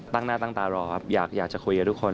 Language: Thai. ตั้งหน้าตั้งตารอครับอยากจะคุยกับทุกคน